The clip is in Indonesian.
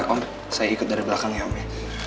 om saya ikut dari belakang ya om ya